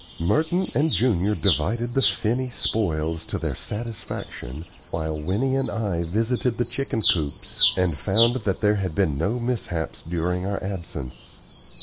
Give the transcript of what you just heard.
Merton and Junior divided the finny spoils to their satisfaction, while Winnie and I visited the chicken coops and found that there had been no mishaps during our absence.